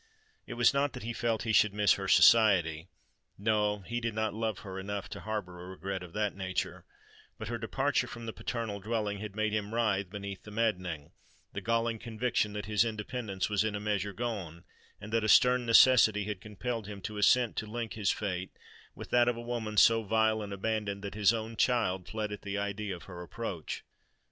It was not that he felt he should miss her society;—no—he did not love her enough to harbour a regret of that nature;—but her departure from the paternal dwelling had made him writhe beneath the maddening—the galling conviction that his independence was in a measure gone, and that a stern necessity had compelled him to assent to link his fate with that of a woman so vile and abandoned, that his own child fled at the idea of her approach.